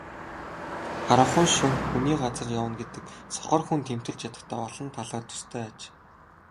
Харанхуй шөнө хүний газар явна гэдэг сохор хүн тэмтэрч ядахтай олон талаар төстэй аж.